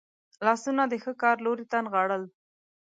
لاسونه د ښه کار لوري ته نغاړل.